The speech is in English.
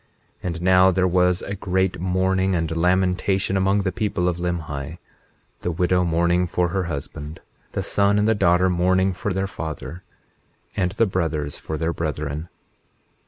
21:9 And now there was a great mourning and lamentation among the people of Limhi, the widow mourning for her husband, the son and the daughter mourning for their father, and the brothers for their brethren.